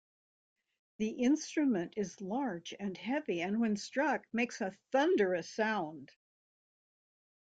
The instrument is large and heavy, and when struck, makes a thunderous sound.